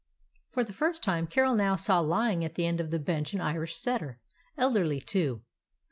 For the first time Carol now saw lying at the end of the bench an Irish setter, elderly too.